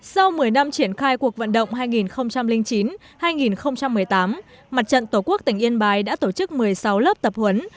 sau một mươi năm triển khai cuộc vận động hai nghìn chín hai nghìn một mươi tám mặt trận tổ quốc tỉnh yên bái đã tổ chức một mươi sáu lớp tập huấn